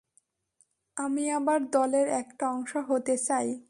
আমি আবার দলের একটা অংশ হতে চাই।